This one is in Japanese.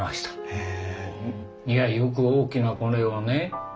へえ。